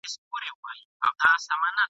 له بلبله څخه هېر سول پروازونه ..